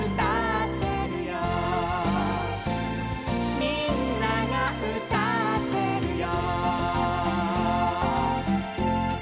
「みんながうたってるよ」